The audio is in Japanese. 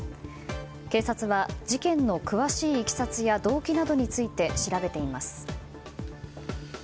警察は、事件の詳しいいきさつや動機などについて調べています。